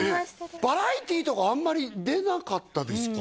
バラエティとかあんまり出なかったですか？